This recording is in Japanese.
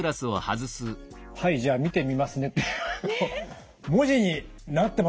「はいじゃあ見てみますね」って文字になってますけどこれ。